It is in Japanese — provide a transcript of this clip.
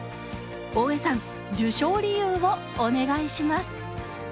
大江さん、授賞理由をお願いします。